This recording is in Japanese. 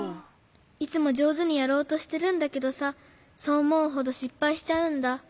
いつもじょうずにやろうとしてるんだけどさそうおもうほどしっぱいしちゃうんだ。